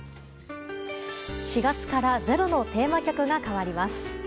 ４月から「ｚｅｒｏ」のテーマ曲が変わります。